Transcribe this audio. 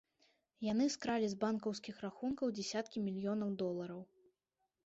Яны скралі з банкаўскіх рахункаў дзясяткі мільёнаў долараў.